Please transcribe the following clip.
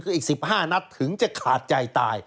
คืออีก๑๕นัดถึงจะขาดใจตาย